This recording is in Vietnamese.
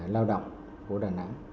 lao động của đà nẵng